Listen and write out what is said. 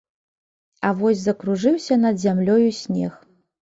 А вось закружыўся над зямлёю снег.